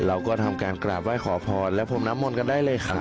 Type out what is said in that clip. เราก็ทำการกราบไหว้ขอพรและพรมน้ำมนต์กันได้เลยครับ